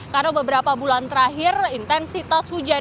karena beberapa bulan terakhir intensitas hujan